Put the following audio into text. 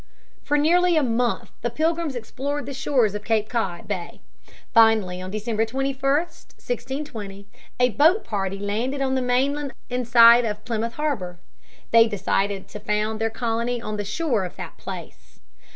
For nearly a month the Pilgrims explored the shores of Cape Cod Bay. Finally, on December 21, 1620, a boat party landed on the mainland inside of Plymouth harbor. They decided to found their colony on the shore at that place.